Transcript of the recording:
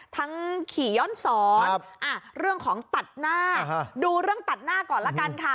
ขี่ย้อนสอนเรื่องของตัดหน้าดูเรื่องตัดหน้าก่อนละกันค่ะ